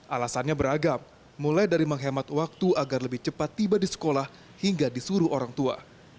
alasannya beragam mulai dari menghemat waktu agar lebih cepat tiba di sekolah hingga disuruh orang tua